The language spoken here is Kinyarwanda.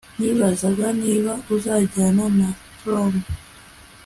nibazaga niba uzajyana na prom